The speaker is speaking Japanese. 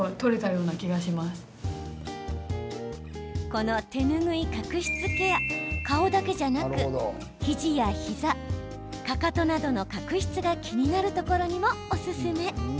この手ぬぐい角質ケア顔だけじゃなく肘や膝、かかとなどの角質が気になるところにもおすすめ。